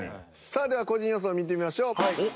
さあでは個人予想見てみましょう。